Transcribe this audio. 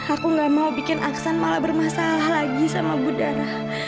aku gak mau bikin aksan malah bermasalah lagi sama budaya